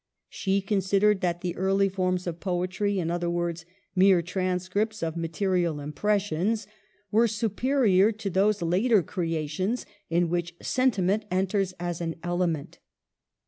She considered that the early forms of poetry — in other words, mere tran scripts of material impressions — were superior to those later creations in which sentiment enters as an element.